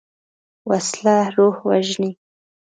وسله روح وژني